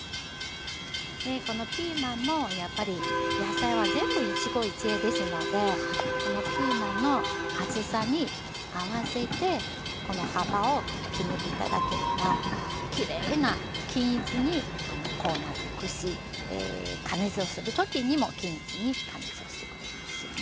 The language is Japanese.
このピーマンもやっぱり野菜は全部一期一会ですのでピーマンの厚さに合わせてこの幅を決めて頂ければきれいな均一にこうなっていくし加熱をする時にも均一に加熱をしてくれるんですよね。